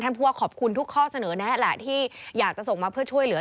พูดว่าขอบคุณทุกข้อเสนอแนะแหละที่อยากจะส่งมาเพื่อช่วยเหลือ